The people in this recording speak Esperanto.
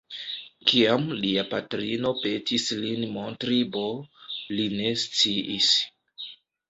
Kiam lia patrino petis lin montri B, li ne sciis.